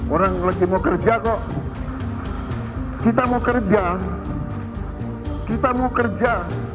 orang lagi mau kerja kok kita mau kerja kita mau kerja